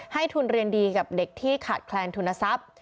ให้ทุนเรียนดีกับเด็กที่ขาดแคลนทุนทรัพย์